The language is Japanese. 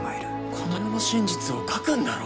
この世の真実を書くんだろ。